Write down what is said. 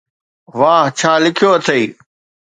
واهه، ڇا لکيو اٿئي؟